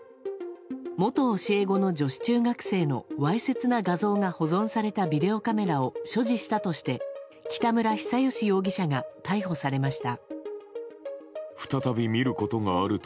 元教え子の女子中学生のわいせつな画像が保存されたビデオカメラを所持したとして北村比左嘉容疑者が逮捕されました。